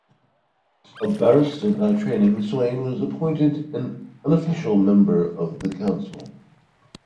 A barrister by training, Swaine was an appointed and unofficial member of the council.